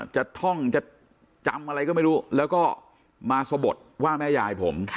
ท่องจะจำอะไรก็ไม่รู้แล้วก็มาสะบดว่าแม่ยายผม